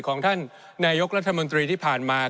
ของท่านนายกรัฐมนตรีที่ผ่านมา